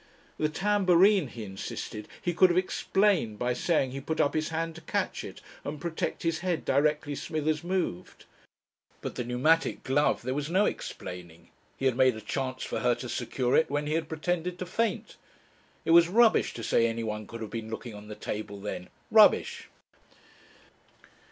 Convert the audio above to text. The tambourine, he insisted, he could have explained by saying he put up his hand to catch it and protect his head directly Smithers moved. But the pneumatic glove there was no explaining. He had made a chance for her to secure it when he had pretended to faint. It was rubbish to say anyone could have been looking on the table then rubbish.